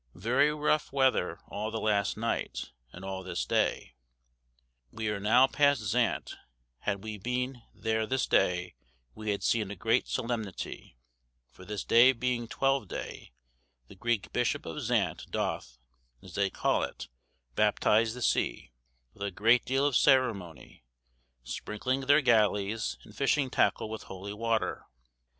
"Very ruff weather all the last night, and all this day. Wee are now past Zante; had wee beene there this day, wee had seene a greate solemnity; for this day being 12 day, the Greeke Bishop of Zante doth (as they call it) baptise the sea, with a great deale of ceremonie, sprinkling their gallys and fishing tackle with holy water.